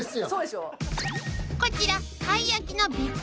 ［こちら］